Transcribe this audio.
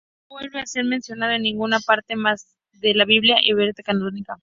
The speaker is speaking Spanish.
No vuelve a ser mencionado en ninguna parte más de la Biblia hebrea canónica.